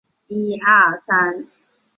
贝朗奥苏普伊利。